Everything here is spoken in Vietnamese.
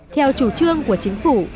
theo chủ trương của chính phủ